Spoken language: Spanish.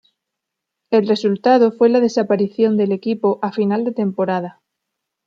El resultado fue la desaparición del equipo a final de temporada.